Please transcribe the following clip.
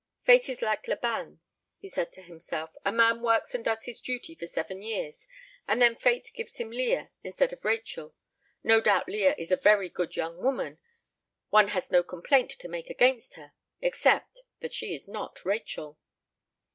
"Fate is like Laban," he said to himself; "a man works and does his duty for seven years, and then Fate gives him Leah instead of Rachel. No doubt Leah is a very good young woman; one has no complaint to make against her, except that she is not Rachel."